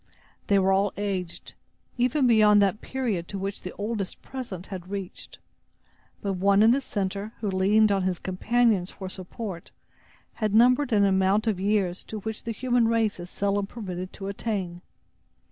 They were all aged, even beyond that period to which the oldest present had reached; but one in the center, who leaned on his companions for support, had numbered an amount of years to which the human race is seldom permitted to attain.